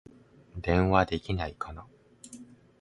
電話できないかな